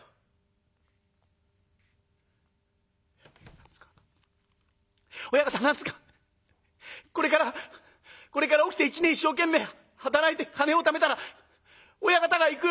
「何ですか親方何ですかこれからこれから起きて一年一生懸命働いて金をためたら親方が幾代太夫に」。